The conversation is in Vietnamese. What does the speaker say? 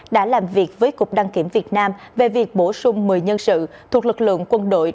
đã làm việc với cục đăng kiểm việt nam về việc bổ sung một mươi nhân sự thuộc lực lượng quân đội